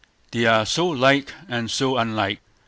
They are so like and so unlike.